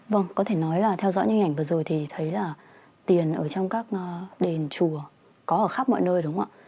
vâng có thể nói là theo dõi những hình ảnh vừa rồi thì thấy là tiền ở trong các đền chùa có ở khắp mọi nơi đúng không ạ